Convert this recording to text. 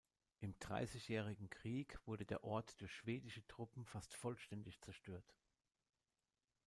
Im Dreißigjährigen Krieg wurde der Ort durch schwedische Truppen fast vollständig zerstört.